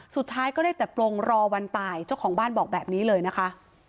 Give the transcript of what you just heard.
สุดท้ายก็ได้แต่ปลงรอวันตายเจ้าของบ้านบอกแบบนี้เลยนะคะ